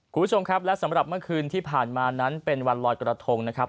คุณผู้ชมครับและสำหรับเมื่อคืนที่ผ่านมานั้นเป็นวันลอยกระทงนะครับ